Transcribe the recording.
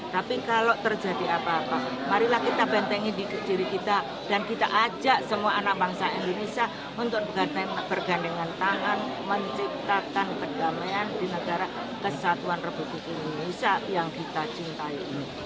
tapi kalau terjadi apa apa marilah kita bentengin diri kita dan kita ajak semua anak bangsa indonesia untuk bergandengan tangan menciptakan kedamaian di negara kesatuan republik indonesia yang kita cintai ini